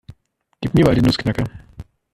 Gib mir mal den Nussknacker.